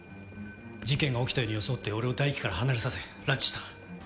事件が起きたように装って俺を大樹から離れさせ拉致した。